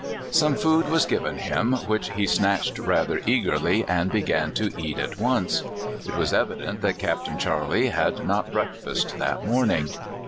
Some food was given him, which he snatched rather eagerly, and began to eat at once. It was evident that Capt. Charley had not breakfasted that morning.